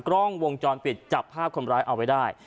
กล้องวงจรปิดจับภาพคนร้ายเอาไว้ได้